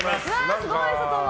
すごい外も。